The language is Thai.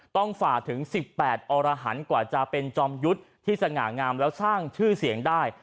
ฝ่าถึง๑๘อรหันต์กว่าจะเป็นจอมยุทธ์ที่สง่างามแล้วสร้างชื่อเสียงได้